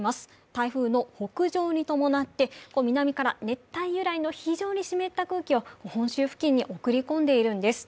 台風の北上に伴って、南から熱帯由来の非常に湿った空気を本州付近に送り込んでいるんです。